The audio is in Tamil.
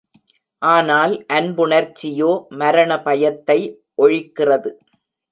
ஆனால் அன்புணர்ச்சியோ மரணபயத்தை ஒழிக்கிறது.